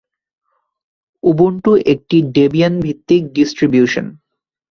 Ubuntu একটি Debian ভিত্তিক distribution.